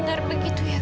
bener begitu ya kak